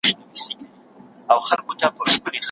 جهاني پردېس نصیب مي کړه ملا ماته